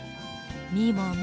みもも。